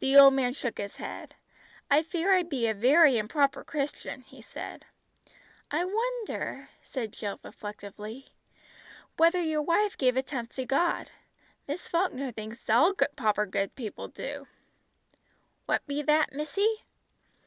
The old man shook his head. "I fear I be a very improper Christian," he said. "I wonder," said Jill reflectively, "whether your wife gave a tenth to God. Miss Falkner thinks all proper good people do." "What be that, missy?"